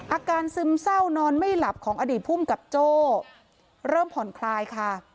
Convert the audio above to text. ซึมเศร้านอนไม่หลับของอดีตภูมิกับโจ้เริ่มผ่อนคลายค่ะ